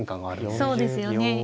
そうですよね。